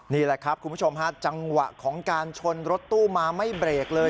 นี่แหละครับคุณผู้ชมฮะจังหวะของการชนรถตู้มาไม่เบรกเลย